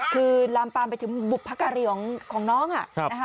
คือลำปางไปถึงบุบพกรีของน้องค่ะ